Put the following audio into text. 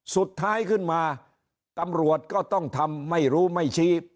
สุดท้ายขึ้นมาตำรวจก็ต้องทำไม่รู้ไม่ชี้